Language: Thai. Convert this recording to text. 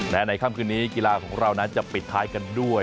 และในค่ำคืนนี้กีฬาของเรานั้นจะปิดท้ายกันด้วย